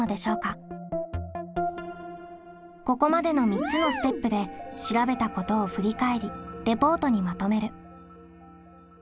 ここまでの３つのステップで調べたことを振り返りレポートにまとめる。